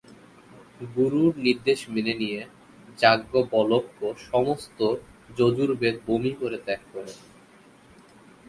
গুরুর নির্দেশ মেনে নিয়ে, যাজ্ঞবল্ক্য সমস্ত যজুর্বেদ বমি করে ত্যাগ করেন।